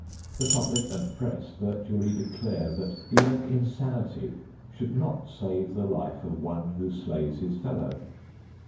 The public and press virtually declare that even insanity should not save the life of one who slays his fellow.